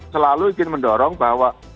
selalu ingin mendorong bahwa